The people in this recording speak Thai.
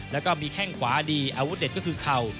แล้วก็มีแข้งขวาดีอาวุธเด็ดก็คือเข่า